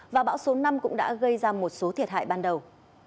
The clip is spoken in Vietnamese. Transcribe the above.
và bão số năm cũng đã gây ra một số thiệt hại ban đầu